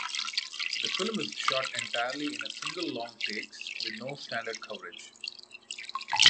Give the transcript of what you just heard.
This film is shot entirely in single long takes with no standard coverage.